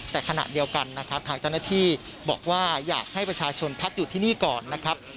แต่ขณะเดียวกันนะครับทางเจ้าหน้าที่บอกว่าอยากให้ประชาชนพักอยู่ที่นี่ก่อนนะครับ